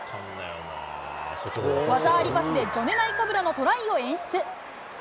技ありパスで、ジョネ・ナイカブラのトライを演出。